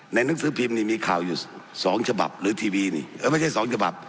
หนังสือพิมพ์นี่มีข่าวอยู่สองฉบับหรือทีวีนี่เออไม่ใช่สองฉบับ